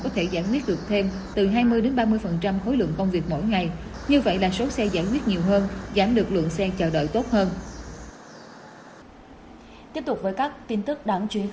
có thể giảm nét được thêm từ hai mươi đến ba mươi khối lượng công việc mỗi ngày